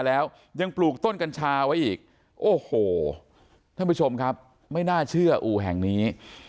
แล้วยังปลูกต้นกัญชาไว้อีกโอ้โหท่านผู้ชมครับไม่น่าเชื่ออู่แห่งนี้